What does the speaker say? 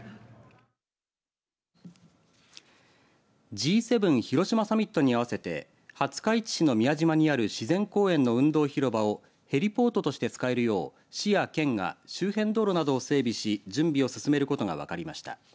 Ｇ７広島サミットに合わせて廿日市市の宮島にある自然公園の運動広場をヘリポートとして使えるよう市や県が周辺道路などを整備し準備を進めることが分かりました。